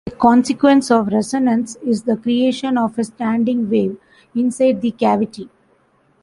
A consequence of resonance is the creation of a standing wave inside the cavity.